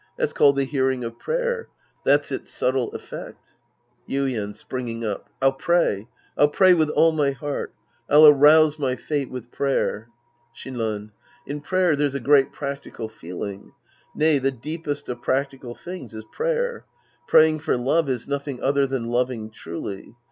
That's called the hearing of prayer. That's its subtle effect. Yiiien {springing up). I'll pray. I'll pray with all my heart. I'll arouse my fate with prayer. Shinran. In prayer there's a great practical feel ing. Nay, the deepest of practical things is prayer. Praying for love is nothing other than loving truly.